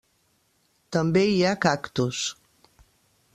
També hi ha cactus.